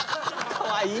かわいい！